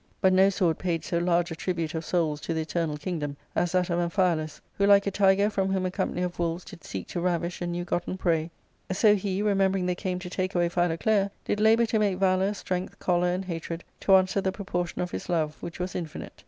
But no sword paid so large a tribute of souls to the eternal • kingdom as that of Amphialus, who like a tiger from whom a company of wolves did seek to ravish a new gotten prey, so he, remembering they came to take away Philoclea, did labour to make valour, strength, choler, and hatred to answer the proportion of his love, which was infinite.